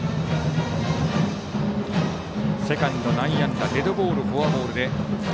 セカンド、内野安打デッドボール、フォアボール。